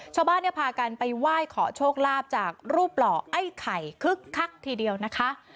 ชาวบ้านเนี่ยพากันไปไหว้ขอโชคลาภจากรูปหล่อไอ้ไข่คึกคักทีเดียวนะคะ